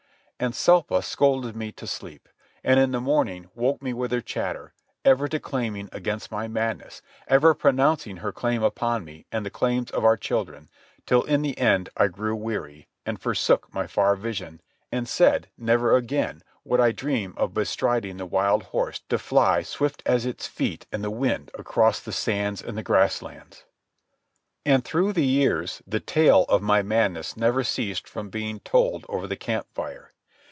And Selpa scolded me to sleep, and in the morning woke me with her chatter, ever declaiming against my madness, ever pronouncing her claim upon me and the claims of our children, till in the end I grew weary, and forsook my far vision, and said never again would I dream of bestriding the wild horse to fly swift as its feet and the wind across the sands and the grass lands. And through the years the tale of my madness never ceased from being told over the camp fire.